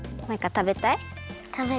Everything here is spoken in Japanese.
たべたい？